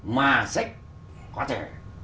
mà sách có thể